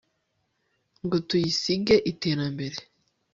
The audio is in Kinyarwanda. ngo tuyisige iterambere